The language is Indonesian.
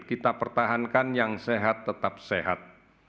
kita pertahankan yang sehat tetap sehat